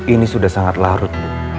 ini sudah sangat larut